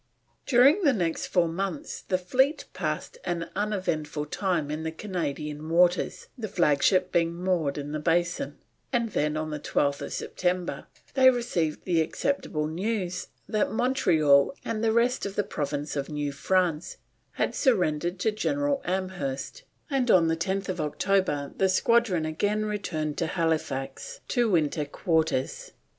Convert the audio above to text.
During the next four months the fleet passed an uneventful time in the Canadian waters, the flagship being moored in the Basin, and then on the 12th September they received the acceptable news that Montreal and the rest of the province of New France had surrendered to General Amherst, and on 10th October the squadron again returned to Halifax to winter quarters.